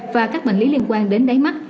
và các bệnh lý liên quan đến đáy mắt